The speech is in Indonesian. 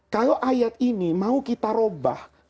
kalau ayat ini mau kita rubah